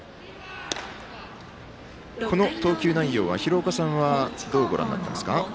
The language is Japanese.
この投球内容は廣岡さんはどうご覧になってますか？